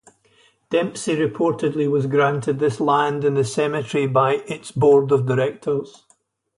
Dempsey reportedly was granted this land in the cemetery by its Board of Directors.